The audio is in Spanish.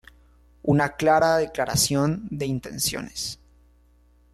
Una clara declaración de intenciones.